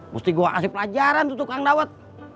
mesti gua kasih pelajaran tuh tukang dawet